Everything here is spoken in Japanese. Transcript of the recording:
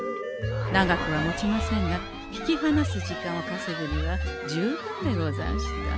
長くはもちませんが引きはなす時間をかせぐには十分でござんした。